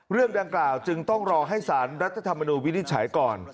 เรื่องดังกล่าวจึงต้องรอให้สารรัฐธรรมนูญวินิจฉัยก่อน